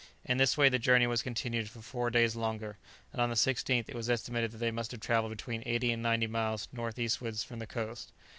In this way the journey was continued for four days longer, and on the 16th it was estimated that they must have travelled between eighty and ninety miles north eastwards from the coast.